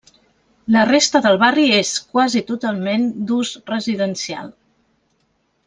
La resta del barri és quasi totalment d'ús residencial.